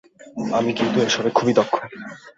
আমি কিন্তু এসবে খুবই দক্ষ।